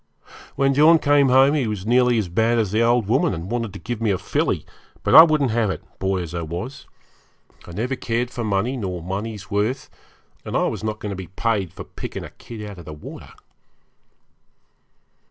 When John came home he was nearly as bad as the old woman, and wanted to give me a filly, but I wouldn't have it, boy as I was. I never cared for money nor money's worth, and I was not going to be paid for picking a kid out of the water.